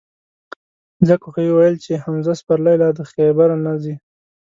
ځکه خو یې ویل چې: حمزه سپرلی لا د خیبره نه ځي.